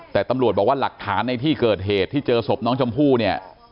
แต่ตำรวจบอกว่าหลักฐานในที่เกิดเหตุที่เจอศพน้องชมพู่เนี่ย